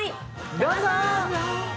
どうぞ！